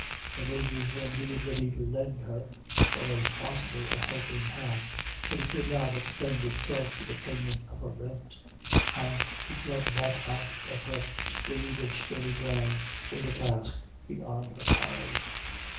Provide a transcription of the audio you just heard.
Her neighbours were indeed ready to lend her, as far as possible, a helping hand, but it could not extend itself to the payment of her rent, and to grub that out of her screed of stony ground was a task beyond her powers.